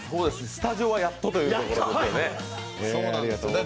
スタジオは、やっとということですよね。